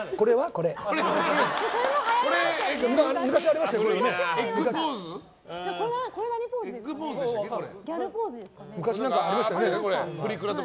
これはギャルポーズですかね。